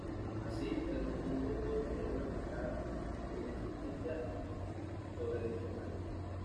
Así, el conjunto pudo tener una fachada, inexistente hasta entonces, sobre dicha calle.